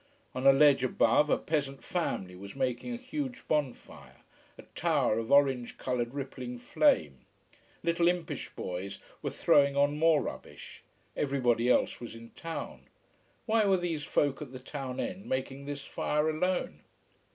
On a ledge above, a peasant family was making a huge bonfire, a tower of orange coloured, rippling flame. Little, impish boys were throwing on more rubbish. Everybody else was in town. Why were these folk at the town end making this fire alone?